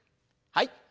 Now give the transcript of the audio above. はい。